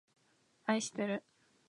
あいしてる